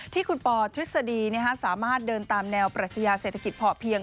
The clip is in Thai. ที่คุณปอทฤษฎีสามารถเดินตามแนวปรัชญาเศรษฐกิจพอเพียง